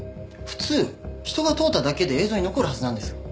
普通人が通っただけで映像に残るはずなんですが。